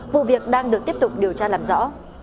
vụ việc đang được tiếp tục điều tra làm rõ